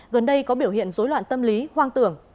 gần đây có biểu hiện dối loạn tâm lý hoang tưởng